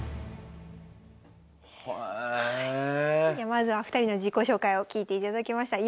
まずは２人の自己紹介を聞いていただきました。